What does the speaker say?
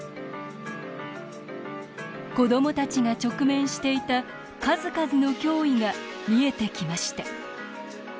子どもたちが直面していた数々の脅威が見えてきました。